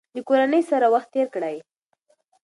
د کورنۍ سره وخت تیر کړئ.